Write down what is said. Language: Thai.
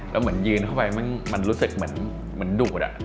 แล้วเหมือนยืนเข้าไปมันรู้สึกเหมือนดูด